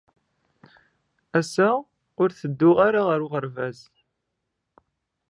Ass-a, ur ttedduɣ ara ɣer uɣerbaz.